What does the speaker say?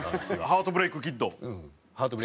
ハートブレイク・キッド。